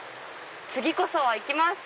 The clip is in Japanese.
次こそは行きます。